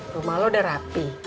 rumah lo udah rapi